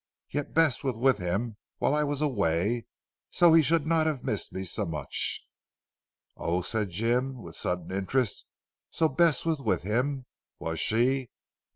Yet Bess was with him while I was away, so he should not have missed me so much." "Oh!" said Jim with sudden interest, "so Bess was with him, was she?